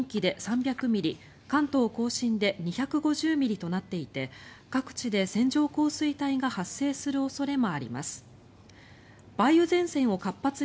予想される雨の量は四国と東海で３５０ミリ近畿で３００ミリ関東・甲信で２５０ミリとなっていて各地で線状降水帯が発生する恐れもあります。